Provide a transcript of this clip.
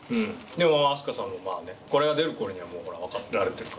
でも飛鳥さんはまあねこれが出る頃にはもうわかられてるか。